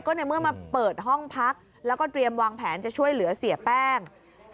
ในเมื่อมาเปิดห้องพักแล้วก็เตรียมวางแผนจะช่วยเหลือเสียแป้ง